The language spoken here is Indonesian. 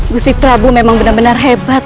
gusti prabu memang benar benar hebat